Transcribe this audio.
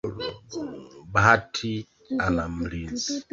Bahati ana mlizi